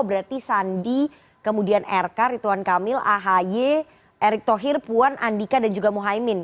berarti sandi kemudian erkar ridwan kamil ahaye erick thohir puan andika dan juga mohaimin